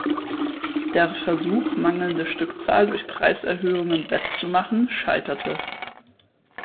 Der Versuch mangelnde Stückzahl durch Preiserhöhungen wettzumachen scheiterte.